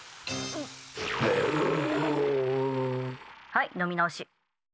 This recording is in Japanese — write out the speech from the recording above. はい、飲み直し。